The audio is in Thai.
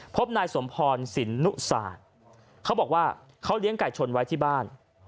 พบนายสมพรสินนุศาสตร์เขาบอกว่าเขาเลี้ยงไก่ชนไว้ที่บ้าน